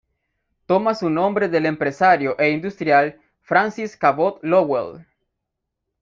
Toma su nombre del empresario e industrial, Francis Cabot Lowell.